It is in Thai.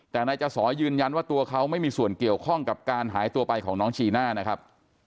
แต่นายจสอยืนยันว่าตัวเขาไม่มีส่วนเกี่ยวข้องกับการหายตัวไปของน้องจีน่านะครับ